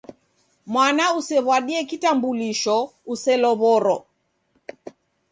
Mwana usew'adie kitambulisho uselow'oro.